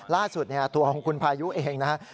ล่าสุดตัวของคุณพายุเองนะครับ